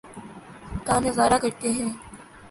کا نظارہ کرتے ہیں